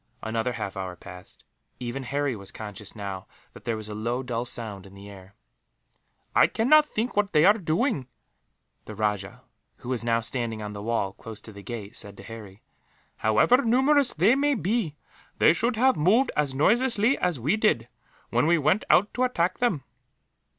Another half hour passed. Even Harry was conscious, now, that there was a low dull sound in the air. "I cannot think what they are doing," the rajah, who was now standing on the wall, close to the gate, said to Harry. "However numerous they may be, they should have moved as noiselessly as we did, when we went out to attack them."